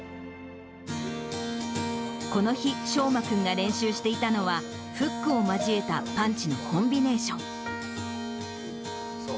この日、聖真君が練習していたのは、フックを交えたパンチのコンビネーション。